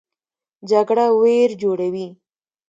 جګړه ویر جوړوي